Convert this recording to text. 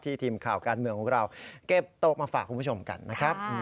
ทีมข่าวการเมืองของเราเก็บโต๊ะมาฝากคุณผู้ชมกันนะครับ